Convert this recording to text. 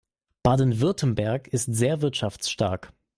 Baden-Württemberg ist sehr wirtschaftsstark.